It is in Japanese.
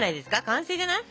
完成じゃない？